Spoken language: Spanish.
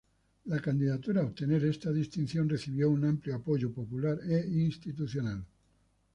La candidatura a obtener esta distinción, recibió un amplio apoyo popular e institucional.